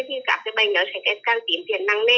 thì các bệnh sẽ càng tiến triển năng nê